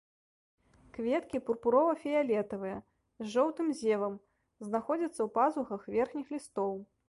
Кветкі пурпурова-фіялетавыя, з жоўтым зевам, знаходзяцца ў пазухах верхніх лістоў.